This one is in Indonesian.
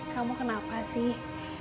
kamu kenapa sih